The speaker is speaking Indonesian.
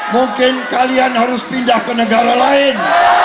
mungkin kalian harus pindah ke negara lain